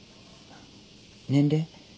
年齢？